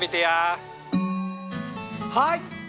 はい。